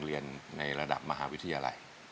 เรียนในระดับมหาวิทยาลัย